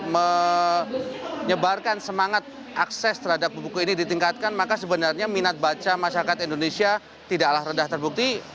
menyebarkan semangat akses terhadap buku ini ditingkatkan maka sebenarnya minat baca masyarakat indonesia tidaklah rendah terbukti